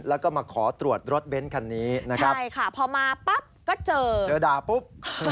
แล้วก็มาขอตรวจรถเบ้นคันนี้นะครับใช่ค่ะพอมาปั๊บก็เจอเจอด่าปุ๊บ